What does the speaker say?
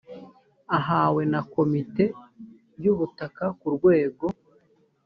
ahawe na komite y ubutaka ku rwego